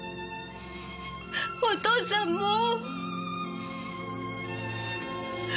お父さんもう。